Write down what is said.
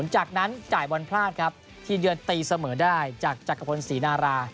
จากนั้นจ่ายบอลพลาดครับทีมเยือนตีเสมอได้จากจักรพลศรีนารา